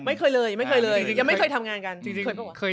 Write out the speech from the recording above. ไม่เคยเลยไม่เคยเลยยังไม่เคยทำงานกัน